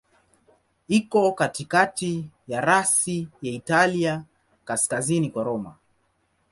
Iko katikati ya rasi ya Italia, kaskazini kwa Roma.